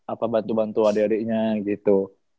apa bantu bantu adik adiknya gitu